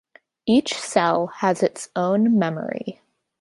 Each cell has its own memory.